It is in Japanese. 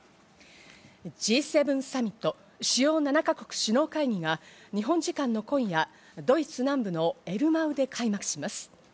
Ｇ７サミット＝主要７か国首脳会議が日本時間の今夜、ドイツ南部のエルマウで開幕します。